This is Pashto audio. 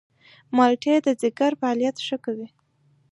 مالټې د ځيګر فعالیت ښه کوي.